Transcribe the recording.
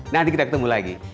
nanti kita ketemu lagi